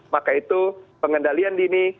maka itu pengendalian dini